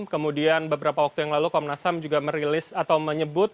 kemudian beberapa waktu yang lalu komnas ham juga merilis atau menyebut